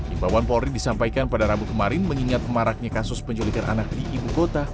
imbauan polri disampaikan pada rabu kemarin mengingat maraknya kasus penculikan anak di ibu kota